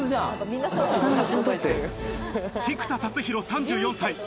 菊田竜大、３４歳。